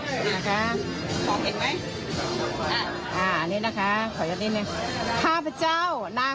ขอคุยสำนวนกษัตริย์ขอรับทราบ